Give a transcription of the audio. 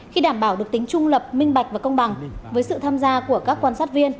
khi đảm bảo được tính trung lập minh bạch và công bằng với sự tham gia của các quan sát viên